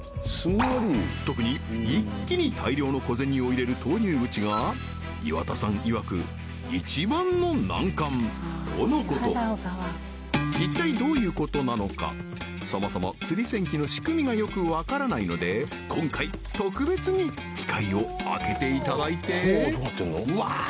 特に一気に大量の小銭を入れる投入口が岩田さんいわく一番の難関とのこと一体どういうことなのかそもそもつり銭機の仕組みがよく分からないので今回特別に機械を開けていただいてわあ